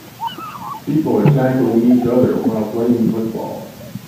People are tackling each other while playing football.